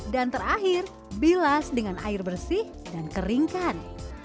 dan terakhir bilas dengan air bersih dan keringkan